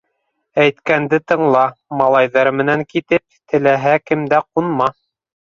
Әйткәнде тыңла, малайҙар менән китеп, теләһә кемдә ҡунма.